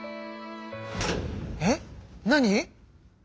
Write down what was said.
えっ何？